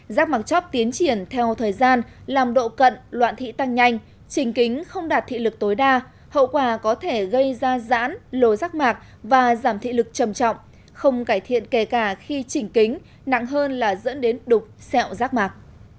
giác mạc chóp tiến triển theo thời gian làm độ cận loạn thị tăng nhanh chỉnh kính không đạt thị lực tối đa hậu quả có thể gây ra rãn lồi giác mạc và giảm thị lực trầm trọng không cải thiện kể cả khi chỉnh kính nặng hơn là dẫn đến đục xẹo giác mạc